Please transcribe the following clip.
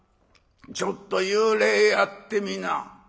ちょっと幽霊やってみな」。